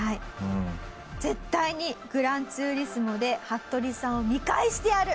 絶対に『グランツーリスモ』で服部さんを見返してやる！